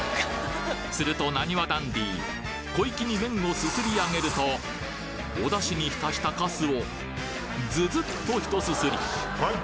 するとナニワダンディー小粋に麺をすすりあげるとお出汁に浸したかすをずずっとひとすすり！